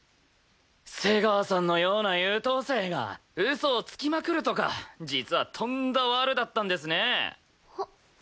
瀬川さんのような優等生が嘘をつきまくるとか実はとんだワルだったんですね。